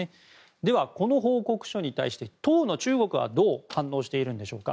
では、この報告書に対して当の中国はどう反応しているのでしょうか。